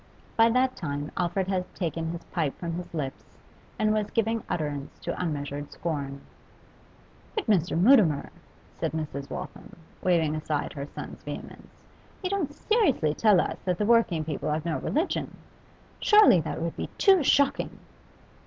By that time Alfred had taken his pipe from his lips and was giving utterance to unmeasured scorn. 'But, Mr. Mutimer,' said Mrs. Waltham, waving aside her son's vehemence, 'you don't seriously tell us that the working people have no religion? Surely that would be too shocking!